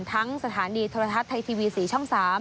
สถานีโทรทัศน์ไทยทีวี๔ช่อง๓